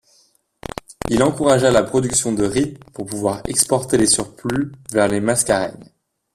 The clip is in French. Il encouragea la production de riz pour pouvoir exporter des surplus vers les Mascareignes.